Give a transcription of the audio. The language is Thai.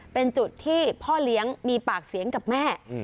เป็นจุดที่พ่อเลี้ยงมีปากเสียงกับแม่